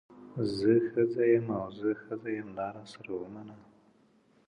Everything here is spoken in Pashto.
زه ښځه یم او ښځه یم دا راسره ومنه.